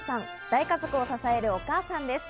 大家族を支えるお母さんです。